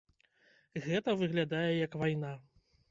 Гэта выглядае як вайна.